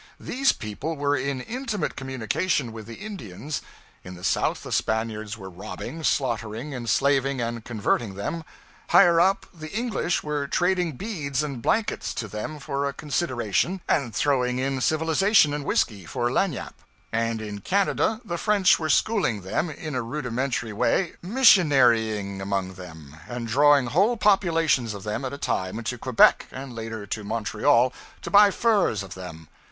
These people were in intimate communication with the Indians: in the south the Spaniards were robbing, slaughtering, enslaving and converting them; higher up, the English were trading beads and blankets to them for a consideration, and throwing in civilization and whiskey, 'for lagniappe;' and in Canada the French were schooling them in a rudimentary way, missionarying among them, and drawing whole populations of them at a time to Quebec, and later to Montreal, to buy furs of them.